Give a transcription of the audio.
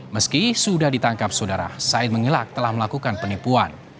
meski sudah ditangkap saudara said mengilak telah melakukan penipuan